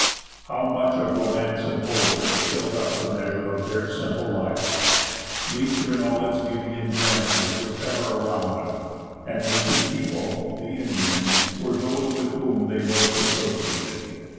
How much of romance and poetry filled up the measure of their simple lives! Nature in all its beauty and grandeur was ever around them, and nature's people—the Indians—were those with whom they most associated.